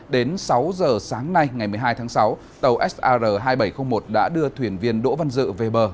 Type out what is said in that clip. đến sáu giờ sáng nay ngày một mươi hai tháng sáu tàu sar hai nghìn bảy trăm linh một đã đưa thuyền viên đỗ văn dự về bờ